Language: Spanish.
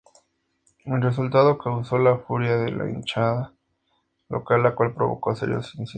El resultado causó la furia de la hinchada local la cual provocó serios incidentes.